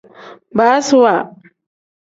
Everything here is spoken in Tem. Baasiwa.